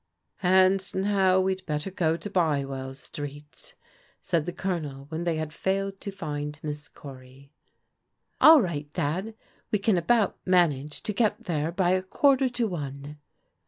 " And now we'd better go to Bywell Street," said the Colonel when they had failed to find Miss Cory. " All right, Dad, we can about manage to get there by a quarter to one."